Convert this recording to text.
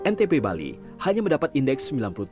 ntp bali hanya mendapat indeks sembilan puluh tiga empat